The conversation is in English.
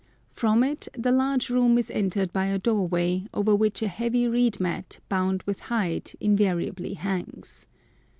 From it the large room is entered by a doorway, over which a heavy reed mat, bound with hide, invariably hangs.